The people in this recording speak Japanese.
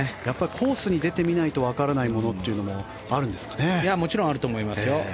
コースに出てみないとわからないものというのももちろんあると思いますよ。